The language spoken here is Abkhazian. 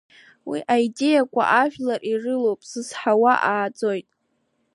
Уи аидеиақәа ажәлар ирылоуп, зызҳауа ааӡоит.